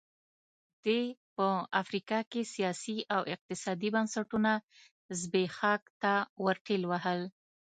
دې په افریقا کې سیاسي او اقتصادي بنسټونه زبېښاک ته ورټېل وهل.